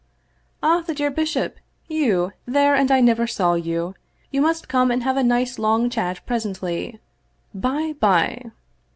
" Ah, the dear bishop ! You there, and I never saw you ! You must come and have a nice long chat presently. By by —!